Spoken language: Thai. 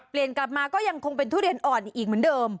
กลับมาก็ยังคงเป็นทุเรียนอ่อนอีกเหมือนเดิม